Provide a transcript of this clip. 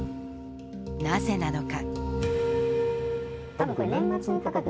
なぜなのか。